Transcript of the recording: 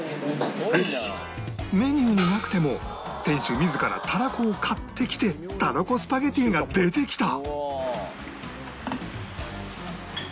メニューになくても店主自らたらこを買ってきてたらこスパゲティが出てきた